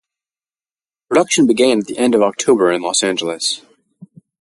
Production began at the end of October in Los Angeles.